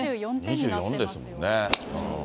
２４ですもんね。